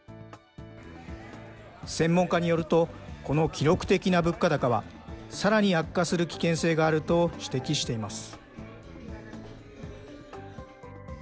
専門家によると、この記録的な物価高は、さらに悪化する危険性があると指摘しています。